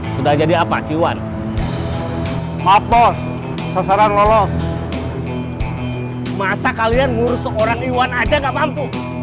sudah jadi apa sih wan maaf bos sasaran lolos masa kalian ngurus seorang iwan aja nggak mampu